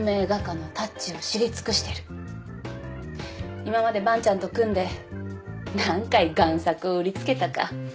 今まで伴ちゃんと組んで何回贋作を売りつけたか。